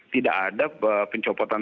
tidak ada pencopotan